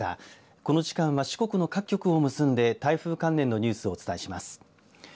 この時間は四国の各局を結んで台風関連のニュースをお伝えします。